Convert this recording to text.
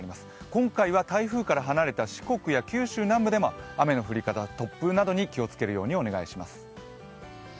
今回は台風から離れた四国や九州南部でも雨の降り方、突風などに気をつけるようにお願いします。